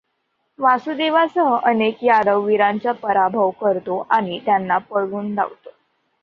वासुदेवासह अनेक यादव वीरांचा पराभव करतो आणि त्यांना पळवून लावतो.